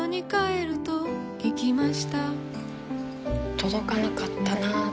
届かなかったな。